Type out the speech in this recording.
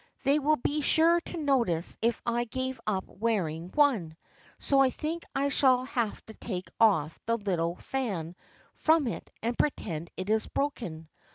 They will be sure to notice if I gave up wearing one, so I think I shall have to take off the little fan from it and pretend it is broken.